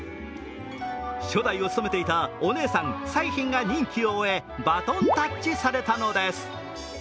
初代を務めていたお姉さん、彩浜が任期を終えバトンタッチされたのです。